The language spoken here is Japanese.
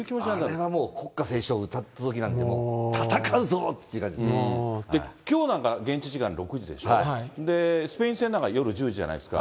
あれはもう、国歌斉唱を歌ったときなんか、きょうなんか現地時間６時でしょ、スペイン戦なんか夜１０時じゃないですか。